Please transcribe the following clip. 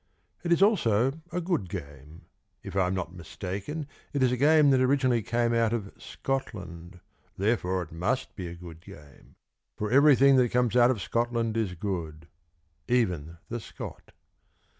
It is also a good game. If I am not mistaken, It is a game that originally came out of Scotland; Therefore it must be a good game. For everything that comes out of Scotland is good, Even the Scot.